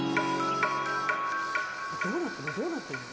どうなってるの？